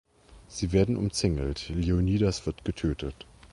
Sie werden umzingelt, Leonidas wird getötet.